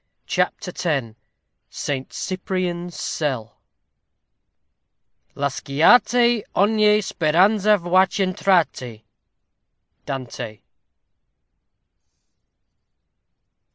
CHAPTER X SAINT CYPRIAN'S CELL Lasciate ogni speranza voi ch' entrate. DANTE.